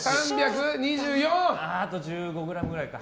あと１５ｇぐらいか。